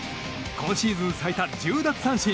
今シーズン最多１０奪三振。